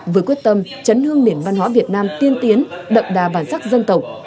với quyết tâm chấn hương nền văn hóa việt nam tiên tiến đậm đà bản sắc dân tộc